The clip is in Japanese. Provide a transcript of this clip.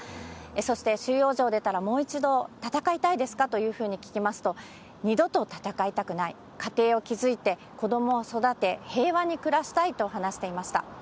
そして収容所を出たら、もう一度戦いたいですかと聞きますと、二度と戦いたくない、家庭を築いて子どもを育て、平和に暮らしたいと話していました。